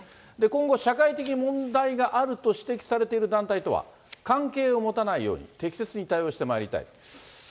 今後、社会的問題があると指摘されている団体とは関係を持たないように、適切に対応してまいりたい。